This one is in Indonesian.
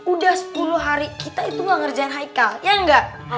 udah sepuluh hari kita itu gak ngerjain haikal ya enggak